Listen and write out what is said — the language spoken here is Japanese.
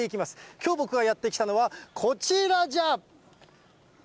きょう僕がやって来たのは、こちらじゃ。